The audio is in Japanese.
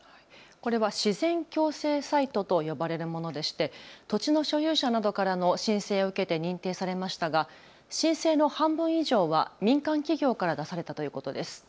これは自然共生サイトと呼ばれるものでして土地の所有者などからの申請を受けて認定されましたが申請の半分以上は民間企業から出されたということです。